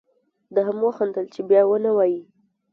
ده هم وخندل چې بیا و نه وایې.